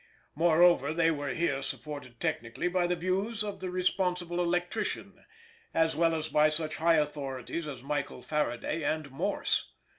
Moreover, they were here supported technically by the views of the responsible electrician, as well as by such high authorities as Michael Faraday and Morse.